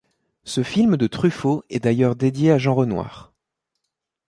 Ce film de Truffaut est d'ailleurs dédié à Jean Renoir.